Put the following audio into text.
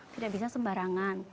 tidak bisa sembarangan